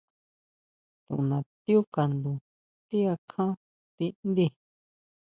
Tunatiú kandu ti akján tindíi.